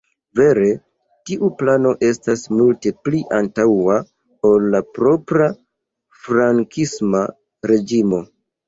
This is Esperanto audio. Vere tiu plano estas multe pli antaŭa ol la propra frankisma reĝimo.